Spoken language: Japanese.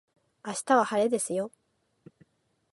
明日は晴れですよ